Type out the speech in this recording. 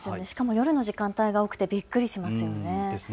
しかも夜の時間帯が多くてびっくりしますよね。